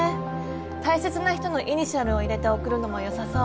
大切な人のイニシャルを入れて贈るのもよさそう。